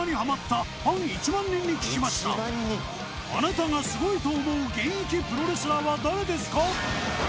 あなたがすごいと思う現役プロレスラーは誰ですか？